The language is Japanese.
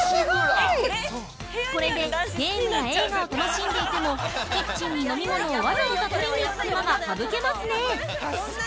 ◆これで、ゲームや映画を楽しんでいてもキッチンに飲み物をわざわざ取りに行く手間が省けますね！